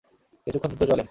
কিছুক্ষণ যুদ্ধ চলে।